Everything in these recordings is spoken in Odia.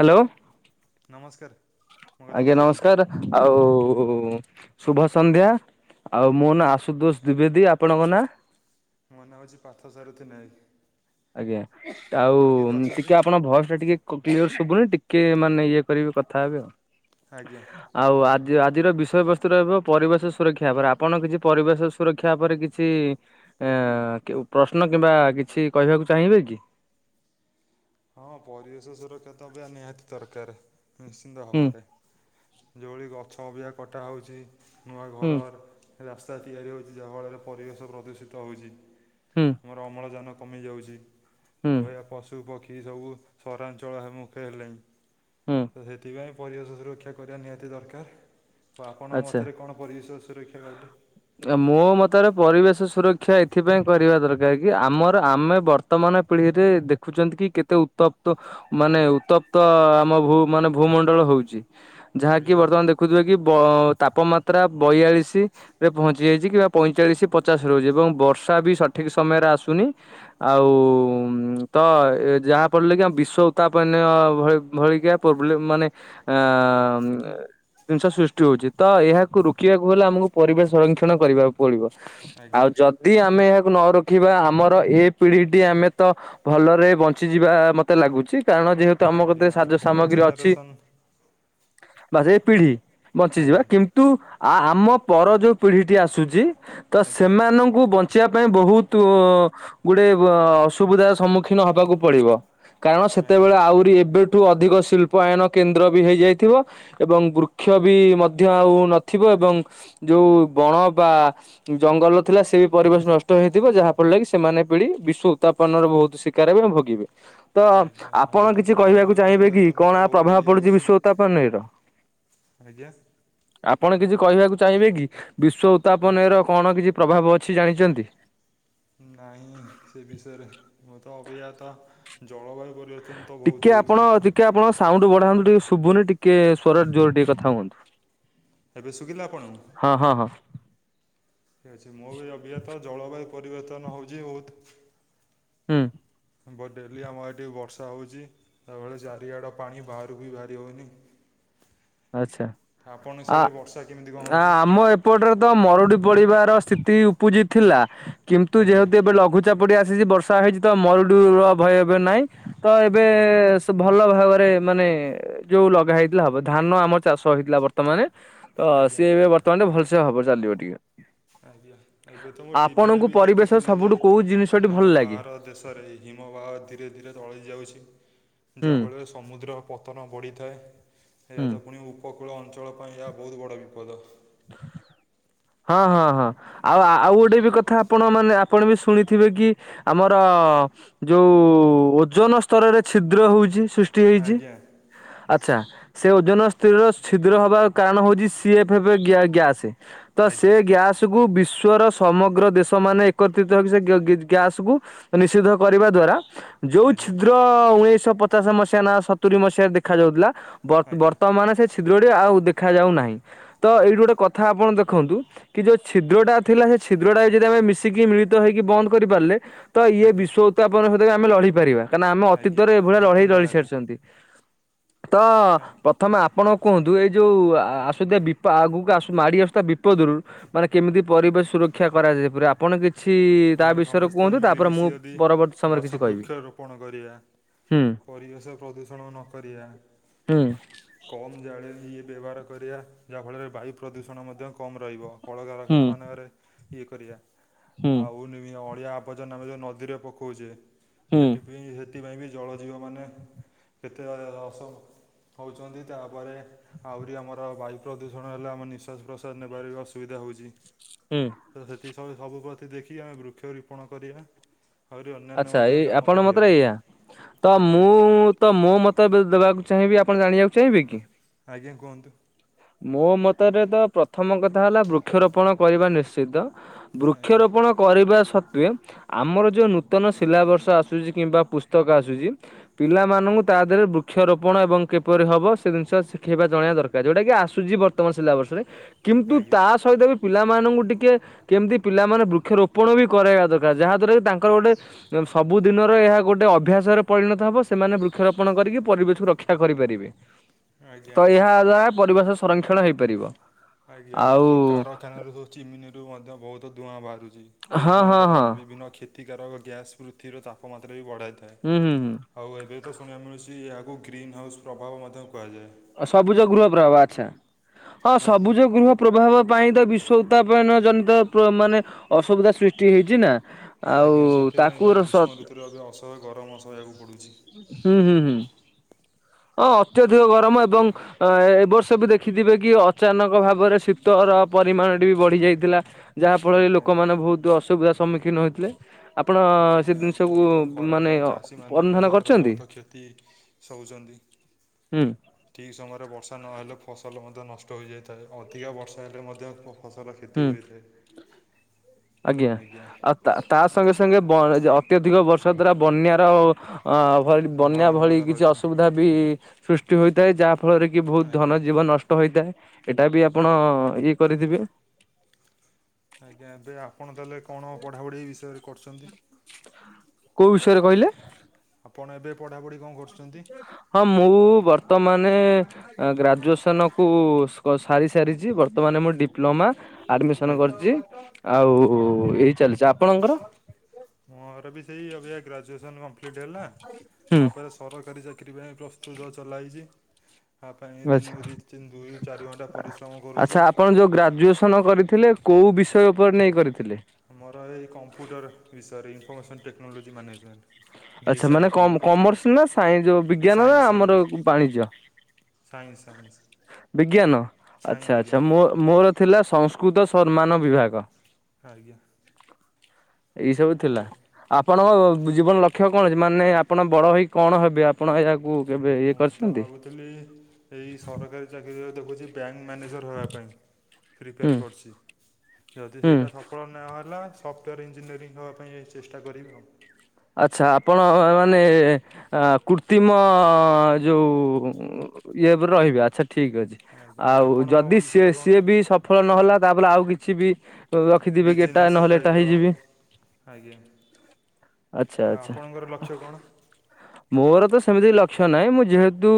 ହ୍ୟାଲୋ। ନମସ୍କାର। ମୋ କଥା ଆଜ୍ଞା ଶୁଭୁଛି ନମସ୍କାର ଆଉ ଶୁଭ ସନ୍ଧ୍ୟା। ଆଉ ମୋ ନାଁ ଆଶୁଦୋଷ ଦ୍ୱିବେଦୀ ଆପଣଙ୍କ ନାଁ? ମୋ ନାଁ ହେଉଛି ପାର୍ଥ ସାରଥି ନାୟକ୍। ଆଜ୍ଞା ଆଉ ଅଛନ୍ତି? ଟିକେ ଆପଣ ଭଏସ୍‌ ଟା ଟିକେ କ କ୍ଲିୟର ସବୁନି ଟିକେ ମାନେ ଇଏ କରିବେ କଥା ହେବେ ଆଉ। ଆଜ୍ଞା। ଆଉ ଆଜି ଆଜିର ବିଷୟବସ୍ତୁ ରହିବ ପରିବେଶ ସୁରକ୍ଷାବରେ ଆପଣ କିଛି ପରିବେଶ ସୁରକ୍ଷା ଶିକ୍ଷା ଉପରେ କିଛି ପ୍ରଶ୍ନ କିମ୍ବା କିଛି କହିବାକୁ ଚାହିଁବେ କି? ହଁ ପରିବେଶ ସୁରକ୍ଷା ତ ଏ ବି ନିହାତି ଦରକାର ନିଶ୍ଚିନ୍ତ ହୁଁ ଭବାରେ। ଯେଉଁଭଳି ଗଛ ଅବା କଟା ହେଉଛି ନୂଆ ହୁଁ ଘରର ରାସ୍ତା ତିଆରି ହଉଛି ଯାହାଫଳରେ ପରିବେଶ ପ୍ରଦୂଷିତ ହଉଛି ହୁଁ ଆମର ଅମ୍ଳଜାନ କମି ଯାଉଛି ହୁଁ ତାପରେ ପଶୁପକ୍ଷୀ ସବୁ ସହରାଞ୍ଚଳମୁଖେ ହେଲେଣି। ହୁଁ। ତ ସେଥିପାଇଁ ପରିବେଶ ସୁରକ୍ଷା କରିବା ନିହାତି ଦରକାର। ହଉ ଆପଣଙ୍କ ଆଚ୍ଛା ମତରେ କଣ ପରିବେଶ ସୁରକ୍ଷା କହିଲେ? ଆଜ୍ଞା ମୋ ମତରେ ପରିବେଶ ସୁରକ୍ଷା ଏଥିପାଇଁ କରିବା ଦରକାର କି ଆମର ଆମେ ବର ବର୍ତ୍ତମାନ ପିଢିରେ ଦେଖୁଛନ୍ତି କି କେତେ ଉତ୍ତପ୍ତ ମାନେ ଉତ୍ତପ୍ତ ଆମ ଭୂ ମାନେ ଭୂମଣ୍ଡଳ ହଉଚି। ଯାହାକି ଆଜ୍ଞା ବର୍ତ୍ତମାନ ଦେଖୁଥିବେ କି ତାପମାତ୍ରା ବୟାଳିଶି ରେ ପହଞ୍ଚି କିମ୍ବା ପଇଁଚାଳିଶ ପଚାଶ ରହୁଛି ଏବଂ ବର୍ଷା ବି ସଠିକ ସମୟରେ ଆସୁନି। ଆଉ ତ ଯାହା ଫଳରେ କି ଆମ ବିଶ୍ଵ ଉତ୍ତାପନୀୟ ଭ ଭଳିିକ ପ୍ରୋବ୍ଲେମ ମାନେ ଅ ଜିନିଷ ସୃଷ୍ଟି ହଉଛି ତ ଏହାକୁ ରୋକିବାକୁ ହେଲେ ଆମକୁ ପରିବେଶ ସଂରକ୍ଷଣ କରିବାକୁ ପଡିବ, ଆଉ ଆଜ୍ଞା। ଯ ଯଦି ଆମେ ଏହାକୁ ନ ରଖିବା ଆମର ଏ ପିଢିଟି ଆମେ ତ ଭଲରେ ବଞ୍ଚିଯିବା ମତେ ଲାଗୁଚି କାରଣ ଯେହେତୁ ଆମ କତି ଆଜ୍ଞା ରେ ସାଯ୍ୟ ପର ସାମଗ୍ରୀ ଅଛି। ଜେନେରେସନ୍ ବା ସେ ପିଢି ବଞ୍ଚିଯିବା, ଆଜ୍ଞା କିନ୍ତୁ ଆ ଆମ ପର ଯୋଉ ପିଢିଟି ଆସୁଛି ତ ଆଜ୍ଞା ସେମାନ କୁ ବଞ୍ଚିବା ପାଇଁ ବହୁତ ଗୁଡେ ଅସୁବିଧାର ସମ୍ମୁଖୀନ ହବାକୁ ପଡିବ। କାରଣ ଆଜ୍ଞା ସେତେବେଳେ ଆହୁରି ଏବେଠୁ ଅଧିକ ଶିଳ୍ପାୟନ କେନ୍ଦ୍ର ବି ହେଇଯାଇଥିବ। ଏବଂ ବୃକ୍ଷ ବି ମଧ୍ୟ ଆଉ ନଥିବ ଏବଂ ଯୋଉ ବଣ ବା ଜଙ୍ଗଲ ଥିଲା ସେ ବି ପରିବେଶ ନଷ୍ଟ ହେଇଥିବ ଯାହା ଫଳରେ କିି ସେମାନେ ପିଢି ବିଶ୍ଵ ଉତାପନ ର ବହୁତ ସୀ କାର ବି ଭୋଗିବେ। ତ ଆଜ୍ଞା ଆପଣ ଏବେ ତ କିଛି ଜଳବାୟୁ କହିବାକୁ ଚାହିଁବେ କି ପରିବର୍ତ୍ତନ ତ କଣ ଆ ବହୁତ ପ୍ରଭାବ ଇଏ ପଡୁଛି ହେଉଛି ବିଶ୍ଵ ଉତ୍ତାପନି ର? ଆଜ୍ଞା। ଆପଣ କିଛି କହିବାକୁ ଚାହିଁବେ କି ବିଶ୍ଵ ଉତ୍ତାପନିର କଣ କିଛି ପ୍ରଭାବ ଅଛି ଜାଣିଛନ୍ତି? ନାଇଁ ସେ ବିଷୟରେ ମୁ ତ ଅବି ଜ୍ଞତା ଜଳବାୟୁ ପରିବର୍ତ୍ତନ ତ ଟିକେ ବହୁତ ଆପଣ ହୋଉଚି। ଟିକେ ଆପଣ ସାଉଣ୍ଡ ବଢାନ୍ତୁ ଟିକେ ଶୁଭୁନି ଟିକେ ସ୍ୱର ଜୋରେ ଟିକେ କଥା ହୁଅନ୍ତୁ। ଏବେ ଶୁବିଲା ଆପଣଙ୍କୁ? ହଁ, ହଁ, ହଁ। ଠିକ୍ ଅଛି ମୋ ବି ଅଭିଜ୍ଞାତ ଜଳବାୟୁ ପରିବର୍ତ୍ତନ ହେଉଛି ବହୁତ ହୁଁ। ଡେଲି ଆମର ଏଠି ବର୍ଷା ହୋଉଛି, ତାପରେ ଚାରିଆଡ଼େ ପାଣି ବାହାରୁ ବି ବାହାରି ହୋଉନି। ଆଛା, ଆ ସିଆଡ଼େ ବର୍ଷା କେମିତି କଣ ଆ ହେଉଛି ଆମ ଏ ପଟରେ ତ ମରୁଡି ପଡିବାର ସ୍ଥିତି ଉପୁଜି ଥିଲା କିନ୍ତୁ ଆଜ୍ଞା ଯେହେତୁ ଏବେ ଲଘୁ ପଚାପଡ଼ି ଆସିଛି ବର୍ଷା ହେଇଛି ତ ମରୁଡ଼ୁର ଭୟ ଏବେ ନାହିଁ ତ ଏବେ ଆଜ୍ଞା ଭଲ ଭାବରେ ମାନେ ଯୋଉ ଲଗା ହେଇଥିଲା ହବ, ଧାନ ଆମର ଚାଷ ହେଇଥିଲା ବର୍ତ୍ତମାନେ ତ ଆଜ୍ଞା ସିଏ ଏବେ ବର୍ତ୍ତମାନ ଭଲସେ ହବ ଚାଲିବ ଟିକେ। ଆଜ୍ଞା, ଏବେ ତ ମୁଁ ଟିଭିରେ ଆପଣଙ୍କୁ ବି ପରିବେଶ ଦେଖୁଥିଲି ଯେ ସବୁଠୁ କୋଉ ଜିନିଷଟି ଭଲ ଅନ୍ୟାନ୍ୟ ଲାଗେ? ବାହାର ଦେଶ ସରେ ହିମ ବାହ ଧୀରେ ଧୀରେ ତଳେ ଯାଉଛି ହୁଁ ଯାହାଫଳରେ ସମୁଦ୍ର ପତନ ବଢ଼ିଥାଏ, ହେରା ହୁଁ। ତ ପୁଣି ଉ ଉପକୂଳ ଅଞ୍ଚଳ ପାଇଁ ଏହା ବହୁତ ବଡ଼ ବିପଦ। ହଁ ହଁ ହଁ ଆଉ ଆଉ ଗୋଟେ ବି କଥା ଆପଣ ମାନେ ଆପଣ ବି ଶୁଣିଥିବେ କି ଆମର ଯୋଉ ଓଜନ ସ୍ତରରେ ଛିଦ୍ର ହଉଛି ସୃଷ୍ଟି ହେଇଛି, ଆଜ୍ଞା ଆଛା। ସେ ଓଜନ ସ୍ଥିରର ଛିଦ୍ର ହବାର କାରଣ ହଉଛି ସି ଏଫ ଏଫ ଗ୍ୟା ଗ୍ୟାସ। ତ ସେ ଆଜ୍ଞା ଗ୍ୟାସକୁୁ ବିଶ୍ଵର ସମଗ୍ର ଦେଶ ମାନେ ଏକତ୍ରିତ ହେବେ ସେ ଗ୍ୟାସ କୁ ନିଷିଧ କରିବା ଦ୍ଵାରା ଯୋଉ ଆଜ୍ଞା ଛିଦ୍ର ଉଣେଇଶହ ପଚାଶ ମସିହା ନା ସତୁରି ମସିହା ଦେଖ ଦେଖା ଯାଉଥିଲା ଆଜ୍ଞା ବର୍ତ୍ତମାନ ସେ ଛିଦ୍ର ଆଉ ଦେଖା ଯାଉ ନାହିଁ, ତ ଏଇଠି ଗୋଟେ ଆଜ୍ଞା କଥା କଥା ଆପଣ ଦେ ଦେଖନ୍ତୁ କି ଯୋଉ ଛିଦ୍ର ଟା ଥିଲା ସେ ଛିଦ୍ରଟା ଯଦି ଆମେ ମିଶିକି ମିଳିତ ହେଇକି ବନ୍ଦ କରି ପାରିଲେ ତ ଇଏ ଆଜ୍ଞା ବିଶ୍ୱ ଉତ୍ପନ ସହିତା ଆମେ ଲଢେଇ ପାରିବା କାରଣ ନା ଆମେ ଆଜ୍ଞା ଅତିତରେ ଏଭଳି ଏହା ତ ଲଢେଇ ଲଢି ନିହାତି ସାରିଚନ୍ତି। ତ ଆଜ୍ଞା। ପ୍ରଥମେ ଆପଣ କୁହନ୍ତୁ ଏଇ ଯୋଉ ଆ ଆସୁଥିବା ବି ଆଗକୁ ଆସୁ ମାଡି ଆସୁଥିବା ବି ଦରୁ ମାନେ କେମିତି ପରିବେଶ ସୁରକ୍ଷା କରାଯାଏ ପୁରା ଆପଣ କିଛି ତା ଆମେ ବିଷୟରେ ସମସ୍ତେ କୁହନ୍ତୁ ତାପରେ ମୁଁ ମିଳିମିଶି ଯଦି ପରବର୍ତ୍ତୀ ସମୟରେ କିଛି ଗଛ କହିବି ବୃକ୍ଷରୋପଣ କରିବା। ହୁଁ ପରିବେଶ ପ୍ରଦୂଷଣ ନ କରିବା। ହୁଁ। କମ୍ ଜାଳେ ଇଏ ବ୍ୟବହାର କରିବା ଯାହାଫଳରେ ବାୟୁ ପ୍ରଦୂଷଣ ମଧ୍ୟ କମ୍ ରହିବ। ହୁଁ କଳକାରଖାନା ମାନଙ୍କରେ ଇଏ କରିବା। ହୁଁ ଆଉ ନିମି ଅଳିଆ ଆବର୍ଜନା ଆମେ ଯୋଉ ନଦୀରେ ପକାଉଚେ ହୁଁ। ସେଥିପାଇଁ ସେଥିପାଇଁ ବି ଜଳ ଜୀବମାନେ କେତେସାରା ଅସହ୍ୟ ହଉଚନ୍ତି ତାପରେ ଆହୁରି ଆମର ବାୟୁ ପ୍ରଦୂଷଣ ହେଲେ ଆମେ ନିଶ୍ଵାସ ପ୍ରଶ୍ୱାସ ନେବାରେ ବି ଅସୁବିଧା ହଉଚି। ହୁଁ। ତ ସେଥି ସ ସବୁପ୍ରତି ଦେଖି ଆମେ ବୃକ୍ଷରୁପଣ କରିବା। ଆହୁରି ଅନ୍ୟାନ୍ୟ ଆଚ୍ଛା ମଧ୍ୟ ଏଇ କାମ ଆପଣ କରିହେବ ମତରେ ଏଇଆ ତ ଆଜ୍ଞା ମୁଁ ତ ମୋ ମତ ଏବେ ଦବାକୁ ଚାହିଁବି ଆପଣ ଜାଣିବାକୁ ଚାହିଁବେ କି? ଆଜ୍ଞା କୁହନ୍ତୁ। ମୋ ମତରେ ତ ପ୍ରଥମ କଥା ହେଲା ବୃକ୍ଷରୋପଣ କରିବା ନିଶ୍ଚିତ। ଆଜ୍ଞା ବୃକ୍ଷରୋପଣ କରିବା ସତ୍ୱେ ଆମର ଯୋଉ ନୂତନ ସିଲାବସ ଆସୁ ସୁଚି କିମ୍ବା ପୁସ୍ତକ ଆସୁଚି ପିଲାମାନୁଙ୍କୁ ତା ଦେହରେ ବୃକ୍ଷରୋପଣ ଏବଂ କିପରି ହବ ସେ ଜିନିଷ ଶିଖେଇବା ଜଣେଇବା ଦରକାର ଯେଉଟା କି ଆ ସୁଚି ବର୍ତ୍ତମ ସିଲାବସ୍ ରେ କିନ୍ତୁ ଆଜ୍ଞା ତା ସହିତ ବି ପିଲାମାନଙ୍କୁ ଟିକେ କେମିତି ପିଲାମାନେ ବୃକ୍ଷରୋପଣ ବି କରାଇବା ଦରକାର ଯାହାଦ୍ୱାରା କି ତାଙ୍କର ଗୋଟେ ସବୁଦିନର ଏହା ଗୋଟେ ଅଭ୍ୟାସରେ ପରିଣତ ହବ ସେମାନେ ବୃକ୍ଷରୋପଣ କରିକି ପରିବେଶକୁ ରକ୍ଷା କରିପାରିବେ। ତ ଆଜ୍ଞା ଏହା ଦ୍ଵାରା ପରିବେଶ ସଂରକ୍ଷଣ ହେଇପାରିବ। ଆଜ୍ଞା ଏବେ ଆଉ ତ ଯୋଉ କାରଖାନା ର ଯୋଉ ଚିମିନିରୁୁ ମଧ୍ୟ ବହୁତ ଧୂଆଁ ବାହାରୁଚି ଏଇ ହଁ ଧୂଆଁ ହଁ ଦ୍ଵାରା ହଁ ବିଭିନ୍ନ କ୍ଷ ତିକାରକ ଗ୍ୟାସ୍ ପୃଥିବୀର ତାପମାତ୍ରା ବି ବଢ଼ାଇଥାଏ। ହୁଁ ହୁଁ ହୁଁ। ଆଉ ଏବେ ତ ଶୁଣିବାକୁ ମିଳୁଚି ଏହାକୁ ଗ୍ରୀନ୍ ହାଉସ୍ ପ୍ରଭାବ ମଧ୍ୟ କୁହାଯାଏ। ସବୁଜ ଗୃହ ପ୍ରଭାବ ଆଚ୍ଛା ହଁ ଆଜ୍ଞା ସବୁଜ ଗୃହ ପ୍ରଭାବ ପାଇଁ ତ ବିଶ୍ଵ ଉତ୍ତାପନ ଜନିତ ପ୍ର ମାନେ ଅସୁବିଧା ସୃଷ୍ଟି ହେଇଚି ନା। ଆଉ ଆଜ୍ଞା ସେଥିପାଇଁ ତାକୁ ତ ହୁଁ ଗ୍ରୀଷ୍ମ ଋତୁରେ ଅବୟ ଅସହ୍ୟ ଗରମ ସହିବାକୁ ପଡୁଚି। ହୁଁ ହୁଁ ହୁଁ ଓ ଅତ୍ୟଧିକ ଗରମ ଏବଂ ଅ ଏବର୍ଷ ବି ଦେଖିଥିବେ କି ଅଚାନକ ଭାବରେ ଶୀତ ର ପରିମାଣଟି ବି ବଢି ଯାଇଥିଲା। ଯାହାଫଳରେ ଆଜ୍ଞା ଲୋକମାନେ ବହୁତ ଅସୁବିଧାର ସମ୍ମୁଖୀନ ହୋଇଥିଲେ। ଆପଣ ସେ ଆଜ୍ଞା ଜିନିଷକୁ ଏତ ଖରା ମାନେ ପାଇଁ ଚାଷୀମାନେ ବି ଅନୁଧ୍ୟାନ ମଧ୍ୟ ଏଥର କରିଛନ୍ତି ବହୁତ କ୍ଷତି ସହୁଚନ୍ତି ହୁଁ ଠିକ୍ ସମୟରେ ବର୍ଷା ନହେଲେ ଫସଲ ମଧ୍ୟ ନଷ୍ଟ ହୋଇଯାଇଥାଏ ଅଧିକା ବର୍ଷା ହେଲେ ମଧ୍ୟ ଫସଲ କ୍ଷତି ହୁଁ। ହୋଇଥାଏ। ଆଜ୍ଞା ଆଉ ତା ତା ସଙ୍ଗେ ସଙ୍ଗେ ବ ଅତ୍ୟଧିକ ବର୍ଷା ଦ୍ଵାରା ବନ୍ୟାର ଅ ଭଳି ବନ୍ୟା ସମ୍ଭାବନା ଭଳି ମଧ୍ୟ କିଛି ରହିଥାଏ। ଅସୁବିଧା ବି ସୃଷ୍ଟି ହୋଇଥାଏ ଯାହା ଫଳରେ କି ବହୁତ ଆଜ୍ଞା ଧନ ଜୀବନ ନଷ୍ଟ ହୋଇଥାଏ ଏଟା ବି ଆପଣ ଇଏ କରିଥିବେ। ଆଜ୍ଞା ଏବେ ଆପଣ ତାହେଲେ କଣ ପଢ଼ାପଢ଼ି ଏଇ ବିଷୟରେ କରୁଚନ୍ତି। କୋଉ ବିଷୟରେ କହିଲେ? ଆପଣ ଏବେ ପଢାପଢି କଁ କରୁସ୍ ହଁ ମୁଁ ବର୍ତ୍ତମାନେ ଆ ଗ୍ରାଜୁଏସନକୁ ସ୍କ ସାରି ସାରିଚି ବର୍ତ୍ତମାନେ ମୁଁ ଡିପ୍ଲୋମା ଆଡମିସନ ଆଜ୍ଞା କରିଚି ଆଉ ଏହି ଚାଲିଚି ଆପଣଙ୍କର। ମୋର ବି ସେଇ ଅବିକା ଗ୍ରାଜୁଏସନ୍ କମ୍ପ୍ଲିଟ୍ ହେଲା ହୁଁ ତାପରେ ସରକାରୀ ଚାକିରି ପାଇଁ ପ୍ରସ୍ତୁତ ଚଲାଇଚି। ବାଛା ଚାରି ଘଣ୍ଟା ପରିଶ୍ରମ କରୁଛି। ଆଚ୍ଛା ଆପଣ ଯୋଉ ଗ୍ରାଜୁଏସନ କରି ଥିଲେ କୋଉ ବିଷୟ ଉପରେ ନେଇ କରିଥିଲେ। ମୋର ଏଇ କମ୍ପୁଟର ବିଷୟରେ ଇନଫର୍ମେସନ୍ ଟେକ୍ନୋଲୋଜି ମ୍ୟାନେଜମେଣ୍ଟ। ବି ଆଚ୍ଛା ଏସ୍ ଆଇ ମାନେ ଟି ମ କମ୍ କହୁଛନ୍ତି କମର୍ସ ନା ସାଇନ୍ ଯୋଉ ବିଜ୍ଞାନ ନା ସାଇନ୍ସ ଆମର ସାଇନ୍ସ ବାଣିଜ୍ୟ। ସାଇନ୍ସ ସାଇନ୍ସ ବିଜ୍ଞାନ ସାଇ ଆଚ୍ଛା ଆଜ୍ଞା ଆଚ୍ଛା ମୋ ମୋର ଥିଲା ସଂସ୍କୁତ ସମ୍ମାନ ବିଭାଗ। ଆଜ୍ଞା। ଏଇ ସବୁ ଥିଲା। ଆପଣଙ୍କ ଜୀ ଜୀବନ ଲକ୍ଷ୍ୟ କଣ ଅଛି ମାନେ ଆପଣ ବଡ ହେଇ କଣ ହେବେ ଆପଣ ଏହାକୁ କେବେ ଇଏ ମୁଁ ତ କରିଛନ୍ତି ଭାବୁଥିଲି ଏଇ ସରକାରୀ ଚାକିରିରେ ଦେଖୁଛି ବ୍ୟାଙ୍କ୍ ମ୍ୟାନେଜର୍ ରହିବା ପାଇଁ ହୁଁ ପ୍ରିପେୟାର୍ କରୁଛି। ଯଦି ହୁଁ ସେଇଟା ସଫଳ ନ ହେଲା ସଫ୍ଟୱେୟାର୍ ଇଞ୍ଜିନିୟରିଂ ହବା ପାଇଁ ଏ ଚେଷ୍ଟା କରିବି ଆଉ। ଆଚ୍ଛା ଆପଣ ମାନେ ଆଁ କୁର୍ତିମ ଯୋଉ ଉଁ ଇଏ ଉପରେ ରହିବେ ଆଚ୍ଛା ଠିକ୍ ଅଛି ଆଜ୍ଞା ଆଉ ଆପଣଙ୍କ ଯଦି ସିଏ ଭବିଷ୍ୟତ କଣ ସିଏ ବି ସ ଫଳ ନହେଲା ତାପଲେ ଆଉ କିଛି ବି ଲଖିଥିବେ କି ଏଟା ବିଜନେସ୍ ନହେଲେ ଏଟା ଟାଇପ୍ର ହେଇଯିବି। ଆଜ୍ଞା ଆଚ୍ଛା ଆଉ ଆଚ୍ଛା। ଆପଣଙ୍କର ଲକ୍ଷ୍ୟ କଣ? ମୋର ତ ସେମିତି ଲକ୍ଷ୍ୟ ନାଇଁ ମୁଁ ଯେହେତୁ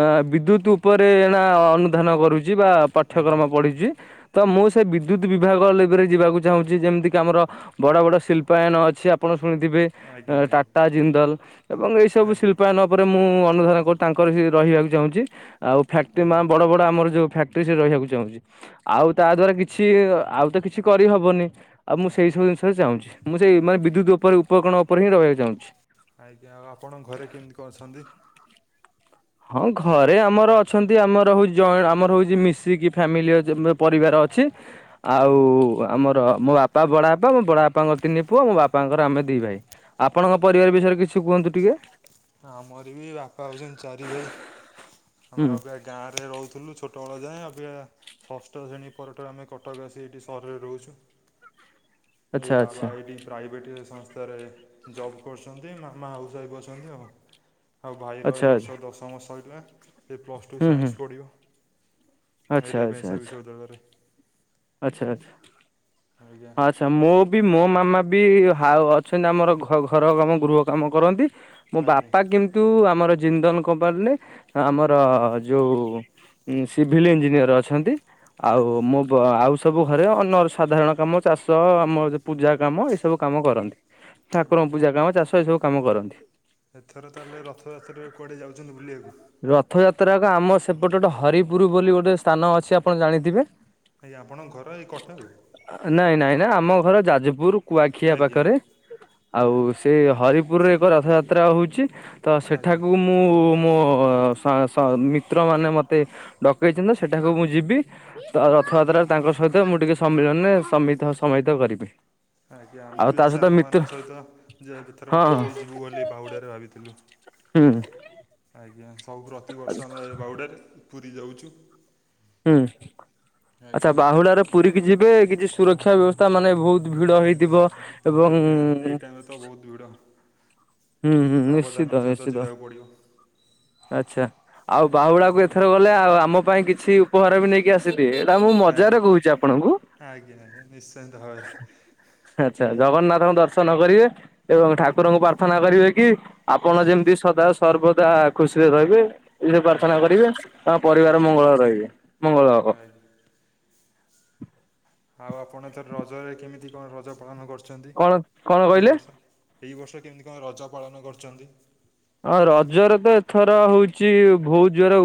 ଆ ବିଦ୍ୟୁତ୍ ଉପରେ ଏଇଣା ଅନୁଧ୍ୟାନ କରୁଚି ବା ଆଜ୍ଞା ପାଠ୍ୟକ୍ରମ ପଢିଚି। ତ ମୁଁ ସେ ବିଦ୍ୟୁତ୍ ବିଭାଗ ଲେବେରେ ଯିବାକୁ ଚାହୁଁଚି ଯେମିତିକି ଆମର ବଡ ବଡ ଶିଳ୍ପାୟନ ଅଛି ଆପଣ ଶୁଣିଥିବେ। ଆଜ୍ଞା ଆଜ୍ଞା ଟାଟା ଜିନ୍ଦଲ ଏବଂ ଏଇ ସବୁ ଆଜ୍ଞା ଶିଳ୍ପାୟନ ଉପରେ ମୁଁ ଅନୁଧ୍ୟାନ କର୍ ତାଙ୍କର ସେଇଠି ରହିଆକୁ ଚାହୁଁଚି ଆଉ ଫ୍ୟାକ୍ଟ୍ରି ମା ଆଜ୍ଞା ବଡ ବ ଡ ଆମର ଯୋଉ ଫ୍ୟାକ୍ଟ୍ରି ସେଇଠି ରିହିବାକୁ ଚାହୁଁଚି। ଆଉ ତା ଦ୍ଵାରା କିଛି ଆଉ ତ କିଛି କରିହବନି। ଆଉ ମୁଁ ସେଇ ଆଜ୍ଞା ସବୁ ଜିନିଷରେ ଚାହୁଛିଁ ମୁଁ ସେଇ ମାନେ ବିଦ୍ୟୁତ୍ ଉପରେ ଉପକରଣ ଉପରେ ହିଁ ରହିବାକୁ ଚାହୁଁଛି। ଆଜ୍ଞା ଆଉ ଆପଣ ଘରେ କେମତି କଁ ଅଛନ୍ତି? ହଁ ଘରେ ଆମର ଅଛନ୍ତି ଆମର ହଉଚି ଯଏ ଆମର ହଉଚି ମିଶିକି ଫ୍ୟାମିଲି ଅଛ ମାନେ ପରିବାର ଅଛି। ଆଉ ଆଜ୍ଞା ଆ ଆମର ମୋ ବାପା ବଡ ବାପା ମୋ ବଡ ବାପାଙ୍କର ତିନି ପୁଅ ମୋ ବାପାଙ୍କର ତ ଆମେ ଦି ଭାଇ ଆପଣଙ୍କ ପରିବାର ବିଷୟରେ କିଛି କୁହନ୍ତୁ ଟିକେ। ହଁ ଆମର ବି ବାପା ହଉଛନ୍ତି ଚାରି ଭାଇ ହୁଁ ଆମେ ଅବେ ଗାଁରେ ରହୁଥୁଲୁ ଛୋଟବେଳ ଯାଏଁ ଅବିକା ଷଷ୍ଠ ଶ୍ରେଣୀ ପର ଠାରୁ ଆମେ କଟକ ଆସି ଏଇଠି ସହରରେ ରହୁଛୁ। ଆଚ୍ଛା ଏଇ ଆଚ୍ଛା ବାବା ଏଇଠି ପ୍ରାଇଭେଟେ ସଂସ୍ତାରେ ଜବ୍ କରୁଛନ୍ତି ମାମା ହାଉସ୍ ୱାଇଫ୍ ଅଛ ଚନ୍ତି ଆଉ ଆଉ ଭାଇର ଆଚ୍ଛା ଏଇ ଆଚ୍ଛା। ବର୍ଷ ଦଶମ ସଇଲା। ସେ ପ୍ଲସ୍ ଟୁ ହୁଁ ହୁଁ ସାଇନ୍ସ ପଢିବ ଆଚ୍ଛା ଏ ଆଚ୍ଛା ରେଭନ୍ସା ଆଚ୍ଛା ବିଶ୍ୱବିଦ୍ୟାଳୟରେ। ଆଚ୍ଛା ଆଚ୍ଛା। ଆଜ୍ଞା। ଛା ମୋ ବି ମୋ ମାମା ବି ହାଉ ଅଛନ୍ତି ଆମର ଘ ଘର କାମ ଗୃହ କାମ କରନ୍ତି। ମୋ ଆଜ୍ଞା। ବାପା କିନ୍ତୁ ଆମର ଜିନ୍ଦନ କମ୍ପାନୀ ରେ ଆମର ଯୋଉ ଉଁ ସିଭିଲ୍ ଇଞ୍ଜିନିୟର୍ ଅଛନ୍ତି। ଆଉ ଆଜ୍ଞା ମୁଁ ବ ଆଉ ସବୁ ଘରେ ଅନ୍ୟ ସାଧାରଣ କାମ ଚାଷ ଆମ ପୂଜା କାମ ଏସବୁ କାମ କରନ୍ତି, ଠାକୁରଙ୍କ ଆଜ୍ଞା ପୂଜା କାମ ଚାଷ ଏସବୁ କାମ କରନ୍ତି। ଏଥର ତାହେଲେ ରଥଯାତ୍ରରେ କୁଆଡ଼େ ଯାଉଚନ୍ତି ବୁଲିଆକୁ? ରଥଯାତ୍ରା ଏକ ଆମ ସେପଟେ ଗୋଟେ ହରିପୁର ବୋଲି ଗୋଟେ ସ୍ଥାନ ଅଛି ଆପଣ ଜାଣିଥିବେ? ଆଜ୍ଞା ଆପଣଙ୍କ ଘର ଏଇ [unintelligible] ନାଇଁ-ନାଇଁ-ନାଇଁ ଆମ ଘର ଯାଜପୁର କୁଆଖିଆ ଆଜ୍ଞା ଆଜ୍ଞା ପାଖରେ, ଆଉ ଆଜ୍ଞା ଏ ହରିପୁରରେ ଏକ ରଥଯାତ୍ରା ହେଉଚି, ତ ଆଜ୍ଞା। ସେଠାକୁ ମୁଁ ମୋ ଉଁ [unintelligible] ମିତ୍ରମାନେ ମତେ ଡକେଇଚନ୍ତି ସେଠାକୁ ମୁଁ ଯିବି। ତ ଆଜ୍ଞା। ରଥଯାତ୍ରାରେ ତାଙ୍କ ସହିତ ମୁଁ ଟିକେ ସମ୍ମିଳନୀରେ [unintelligible] ସମହିତ କରିବି। ଆଜ୍ଞା ଆମେ ଆଉ ବି ତା ଏଇ ସହିତ ମିତ୍ର ସାଙ୍ଗମାନଙ୍କ ସହିତ ଯେ ଏଥର ହଁ ପୁରୀ ଯିବୁ ବୋଲି ବାହୁଡ଼ରେ ଭାବିଥିଲୁ। ହୁଁ। ଆଜ୍ଞା, ସବୁ ପ୍ରତିବର୍ଷ ଆମେ ବାଉଡ଼ାରେ ପୁରୀ ଯାଉଚୁ। ହୁଁ, ଆଚ୍ଛା ବାହୁଡାରେ ପୁରୀ କିି ଯିବେ କିଛି ସୁରକ୍ଷା ବ୍ୟବସ୍ଥା ମାନେ ଭଉତ୍ ଭିଡ ହେଇଥିବ ଏବଂ ଆଜ୍ଞା ଏଇ ଟାଇମରେ ତ ବହୁତ୍ ଭିଡ଼। ହୁଁ-ହୁଁ ସାବଧାନର ସହିତ ନିଶ୍ଚିତ-ନିଶ୍ଚିତ। ଯିବାକୁ ପଡ଼ିବ ଆଚ୍ଛା ଆଉ ବାହୁଳାକୁ ଆଜ୍ଞା। ଏଥର ଗଲେ ଆଉ ଆମ ପାଇଁ କିଛି ଉପହାର ବି ନେଇକି ଆସ୍ ଥିବେ, ଏଟା ମୁଁ ଆଜ୍ଞା ମଜାରେ କହୁଚି ଆପଣଙ୍କୁ। ଆଜ୍ଞା ଆଜ୍ଞା ନିଶ୍ଚିନ୍ତ ଭାବରେ ଆଚ୍ଛା, ଜଗନ୍ନାଥଙ୍କୁ ଦର୍ଶନ କରିବେ ଏବଂ ଆଜ୍ଞା ଠାକୁରଙ୍କୁ ପାର୍ ର୍ଥନା କରିବେ କି, ଆପଣ ଯେମ୍ତି ସଦା ସର୍ବଦା ଖୁସିରେ ରହିବେ। ଇରେ ପ୍ରାର୍ଥନା ଆଜ୍ଞା କରିବେ ତାଙ୍କ ପରିବାର ଆଜ୍ଞା। ମଙ୍ଗଳ ରହିବେ ମଙ୍ଗଳ ହବ। ଆଜ୍ଞା ଆଉ ଆପଣ ଏଥର ରଜରେ କେମିତି କଣ ରଜ ପାଳନ କରିଚନ୍ତି କଣ କଣ ଏଇ କହିଲେ? ବର୍ଷ? ଏଇ ବର୍ଷ କେମ୍ତି କଣ ରଜ ପାଳନ କରିଚନ୍ତି? ହଁ ରଜରେ ତ ଏଥର ହଉଚି ଭଉତ୍ ଜୋର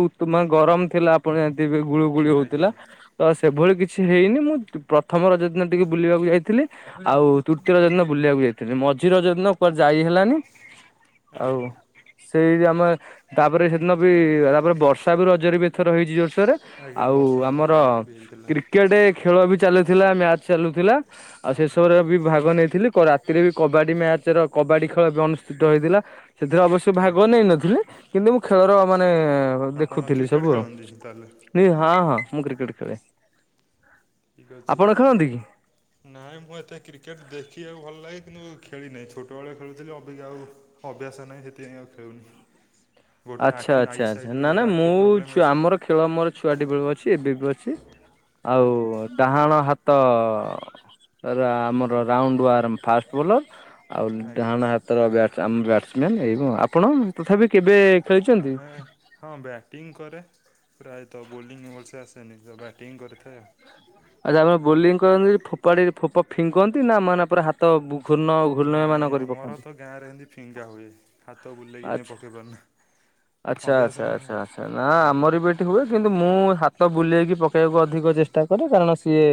ଗରମ ଥିଲା ଆପଣ ଜାଣି ଥିବେ, ଗୁଳଗୁଳି ଆଜ୍ଞା ହଉଥିଲା। ତ ସେଭଳି କିଛି ହେଇନି, ମୁଁ ପ୍ରଥମ ରଜ ଦିନ ଟିକେ ବୁଲିବାକୁ ଯାଇଥିଲି। ଆଉ ତୃତୀୟ ରାଜ ଦିନ ବୁଲିବାକୁ ଯାଇଥିଲି, ମଝି ରଜ ଦିନ କୁଆଡେ ଯାଇ ହେଲାନି, ଆଉ ଆଜ୍ଞା ସେଇ ଆମ ତାପରେ ସେଦିନ ବି ତାପରେ ବର୍ଷା ବି ରଜରେ ଏଥର ହେଇଚି ଜୋର୍ସୋରେ। ଆଜ୍ଞା ଆଉ ବର୍ଷା ଆମ ଆମର ଗାଁରେ ବି ହେଇଥିଲା କ୍ରି କେଟେ ଖେଳ ବି ଚାଲୁଥିଲା, ମ୍ୟାଚ୍ ଚାଲୁଥିଲା ଆଉ ଆଜ୍ଞା। ସେସବୁରେ ବି ଭାଗ ନେଇଥିଲି କ ରାତିରେ ବି କବାଡି ମ୍ୟାଚର କବାଡି ଖେଳ ଅନୁଷ୍ଠିତ ହେଇଥିଲା, ସେଥିରେ ଅବସ୍ ଭାଗ ଆଜ୍ଞା ନେଇନଥିଲି, କିନ୍ତୁ ମୁଁ ଖେଳର ମାନେ ଆପଣ ଦେଖୁଥିଲି କ୍ରିକେଟ୍ ସବୁ ଆଉ। ଖେଳନ୍ତି ତାହେଲେ [unintelligible] ହଁ-ହଁ ମୁଁ କ୍ରିକେଟ୍ ଖେଳେ। ଠିକ୍ ଅଛି। ଆପଣ ଖେଳନ୍ତି କି? ନାଇଁ ମୁଁ ଏତେ କ୍ରିକେଟ୍ ଦେଖିବାକୁ ଭଲ୍ ଲାଗେ କିନ୍ତୁ ଛୋଟବେଳେ ଖେଳୁଥିଲି ଅଵିକା ଆଉ ଅଭ୍ୟାସ ନାହିଁ, ସେଥିପାଇଁ ଆଉ ଖେଳୁନି। ଗୋଟେ ଆଖି ଆଇ ସାଇଟ୍ ଆଚ୍ଛା-ଆଚ୍ଛା-ଆଚ୍ଛା ବି ନା-ନା ଗୋଟେ ଆଖି ମୁଁ ପ୍ରୋବ୍ଲେମ୍ ଛୁଆ ଅଛି। ଆମର ଖେଳ ମୋର ଛୁଆଟି ବେଳୁ ଅଛି, ଏବେ ବି ଅଛି ଆଉ ଆଜ୍ଞା ଡାହାଣ ହାତ ରା ଆମର ରାଉଣ୍ଡ ଆର୍ମ ଫାଷ୍ଟ ବୋଲର୍ ଆଉ ଆଜ୍ଞା ଡାହାଣ ହାତର ବ୍ୟାଟ୍ ଆମ ବ୍ୟାଟ୍ସମ୍ୟାନ୍ଏବଂ ଆପଣ ତଥାପି କେବେ? ଖେଳିଛନ୍ତି? ଆମେ ହଁ ବ୍ୟାଟିଂ କରେ, ପ୍ରାୟତଃ ବୋଲିଂ ଭଲସେ ଆସେନି ତ ବ୍ୟାଟିଙ୍ଗ କରିଥାଏ ଆଉ। ଆଜା ଆପର ବୋଲିଂ କରନ୍ତି ଫୋପାଡ଼ିକି ଫୋପ ଫିଙ୍କନ୍ତି ନାଁ ମାନେ ପୁରା ହା ତ ବୁ ଘୂର୍ଣ୍ଣ ନାଇଁ ଘୂର୍ଣ୍ଣୟମାନ କରି ଆମର ପକାନ୍ତି? ତ ଗାଁରେ ଏମିତି ଫିଙ୍ଗା ହୁଏ। ହାତ ବୁଲେଇକି ଆମେ ପକେଇ ପାରୁନା। ଛା ଅଭ୍ୟାସ ଆଚ୍ଛା ନାହିଁ ଆଚ୍ଛା ଆଉ। ଆଚ୍ଛା ନାଁ ଆଜ୍ଞା ଆମର ବି ମିଟି ହୁଏ କିନ୍ତୁ ମୁଁ ହାତ ବୁଲେଇକି ପକେଇବାକୁ ଅଧିକ ଚେଷ୍ଟା କରେ କାରଣ ସିଏ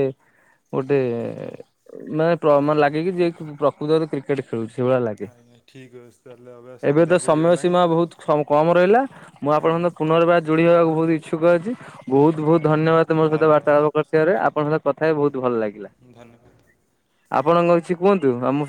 ଗୋଟେ ମାନେ ପ୍ର ମାନେ ଆଜ୍ଞା ଲାଗେ କିି ଯିଏ କି ପ୍ରକୃତରେ କ୍ରିକେଟେ ଖେଳୁଚି ସେଇ ଭଳିଆ ଲାଗେ। ଆଜ୍ଞା ଠିକ୍ ଅଛି ତାହେଲେ ଏବେ ସନ୍ଧ୍ୟା ତ ବି ସମୟ ହେଇଗଲାଣି। ସୀମା ବହୁତ ସମ୍ କମ୍ ରହିଲା। ମୁଁ ଆପଣଙ୍କ ଆଜ୍ଞା ହତ ସାର୍ ପୁନର୍ବାର ଯୋଡ଼ି ହବାକୁ ଭୋଉତୁ ଇଚ୍ଛୁକ ଅଛି। ବୋହୁତ ବୋହୁତ ଆଜ୍ଞା ଧନ୍ୟବାଦ ମୋ ସହିତ ଧନ୍ୟବାଦ ବାର୍ତ୍ତାଳାପ କରିିଥିବରୁ। ଆପଣଙ୍କ ସହିତ କଥା ହେଇ ଭୋଉତ ଭଲ ଲାଗିଲା। ଧନ୍ୟବାଦ। ଆପଣଙ୍କ କିଛି କୁହନ୍ତୁ। ଆ ମୁଁ ସତା